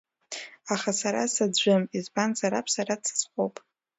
Аха Сара саӡәым, избанзар Аб Сара дсыцҟоуп.